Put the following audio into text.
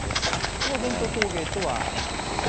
その伝統工芸とは、こちら。